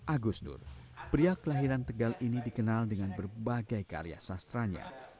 agus nur pria kelahiran tegal ini dikenal dengan berbagai karya sastranya